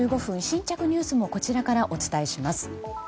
新着ニュースもこちらからお伝えします。